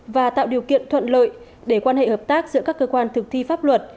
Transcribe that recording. và tạo điều kiện thuận lợi để quan hệ hợp tác giữa các cơ quan thực thi pháp luật